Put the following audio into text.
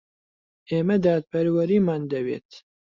ئێمە دادپەروەریمان دەوێت.